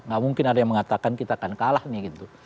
gak mungkin ada yang mengatakan kita akan kalah nih gitu